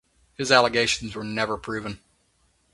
His allegations were never proven.